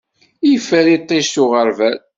Yeffer iṭij s uɣerbal.